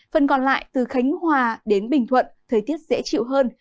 phần còn lại từ khánh hòa đến bình thuận thời tiết dễ chịu hơn